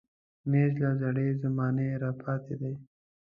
مېز له زړې زمانې راپاتې دی.